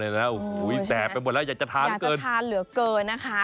อ๋อเนี่ยแล้วอุ้ยแสบไปหมดแล้วอยากจะทานเกินอยากจะทานเหลือเกินนะคะ